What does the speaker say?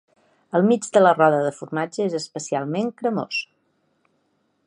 El mig de la roda de formatge és especialment cremós.